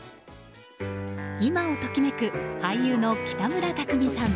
今を時めく俳優の北村匠海さん。